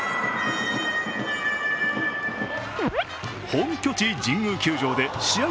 本拠地・神宮球場で試合